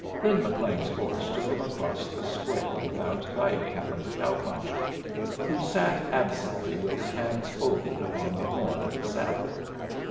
Lin McLean's horse took him across the square without guiding from the cow puncher, who sat absently with his hands folded upon the horn of his saddle.